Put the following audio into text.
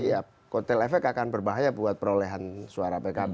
ya kotel efek akan berbahaya buat perolehan suara pkb